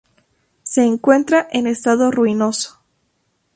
Se encuentra en estado ruinoso.